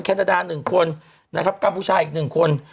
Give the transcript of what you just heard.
แคนนาดา๑คนกัมพูชายอีก๑คน